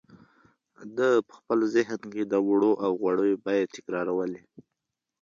ده په خپل ذهن کې د اوړو او غوړیو بیې تکرارولې.